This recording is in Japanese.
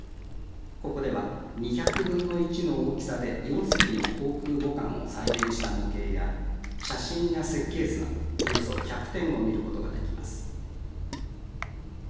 ここでは２００分の１の大きさで４隻の航空母艦を再現した模型や写真や設計図などおよそ１００点を見ることができます。